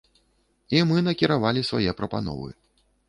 І мы накіравалі свае прапановы.